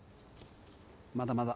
まだまだ。